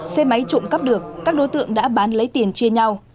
xe máy trộm cắp được các đối tượng đã bán lấy tiền chia nhau